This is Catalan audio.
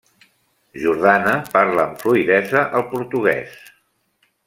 Jordana parla amb fluïdesa el portuguès.